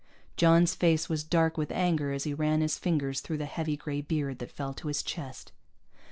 John's face was dark with anger as he ran his fingers through the heavy gray beard that fell to his chest.